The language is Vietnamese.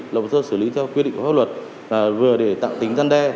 lập tức xử lý theo quy định của pháp luật vừa để tạo tính gian đe